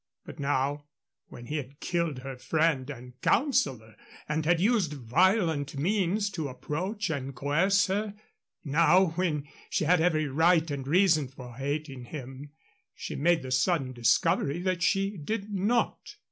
But now, when he had killed her friend and counsellor and had used violent means to approach and coerce her now when she had every right and reason for hating him, she made the sudden discovery that she did not.